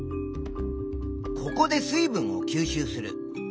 ここで水分を吸収する。